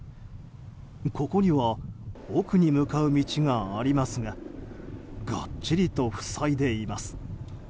ここには奥に向かう道がありますががっちりと塞いでいます。